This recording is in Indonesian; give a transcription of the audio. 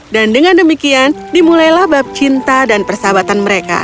dan dengan demikian dimulailah bab cinta dan persahabatan mereka